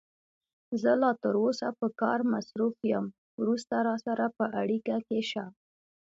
زه لا تر اوسه په کار مصروف یم، وروسته راسره په اړیکه کې شه.